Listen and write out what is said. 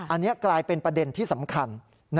อันนี้กลายเป็นประเด็นที่สำคัญ